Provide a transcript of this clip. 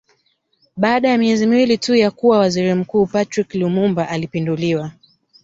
Baada ya miezi miwili tu ya kuwa Waziri Mkuu Patrice Lumumba alipinduliwa